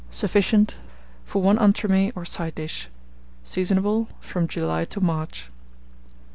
Sufficient for 1 entremets or side dish. Seasonable from July to March.